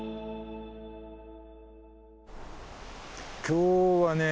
今日はね